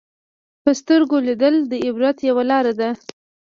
په سترګو لیدل د عبرت یوه لاره ده